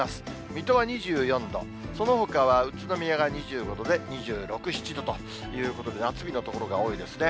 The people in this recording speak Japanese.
水戸は２４度、そのほかは宇都宮が２５度で、２６、７度ということで、夏日の所が多いですね。